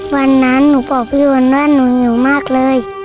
วันนั้นหนูบอกพี่โอนว่าหนูหิวมากเลย